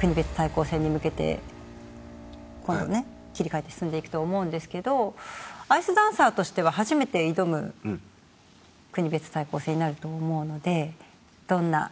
国別対抗戦に向けて今度ね切り替えて進んでいくと思うんですけどアイスダンサーとしては初めて挑む国別対抗戦になると思うのでどんな大会に。